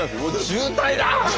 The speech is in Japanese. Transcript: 「渋滞だ！」。